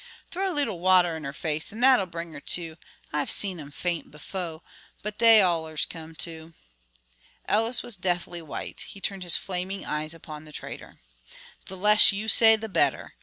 "Throw a leetle water in her face, and that'll bring her to. I've seen 'em faint befo', but they allers come to." Ellis was deathly white; he turned his flaming eyes upon the trader: "The less you say, the better.